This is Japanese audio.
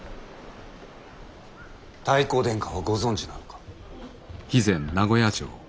太閤殿下はご存じなのか？